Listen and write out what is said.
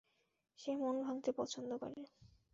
সে মন ভাঙ্গতে পছন্দ করে।